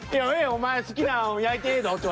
お前好きなん焼いてええぞって